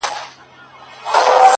له خدای وطن سره عجیبه مُحبت کوي،